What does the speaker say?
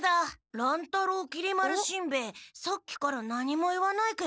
乱太郎きり丸しんべヱさっきから何も言わないけど。